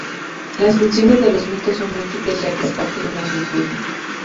Las funciones de los mitos son múltiples ya que es parte de una cultura.